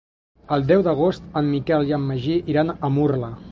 El deu d'agost en Miquel i en Magí iran a Murla.